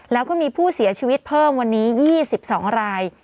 แล้วก็มีผู้เสียชีวิตเพิ่มวันนี้๒๒ราย